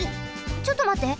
ちょっとまって。